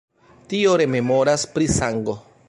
Tio rememoras pri sango.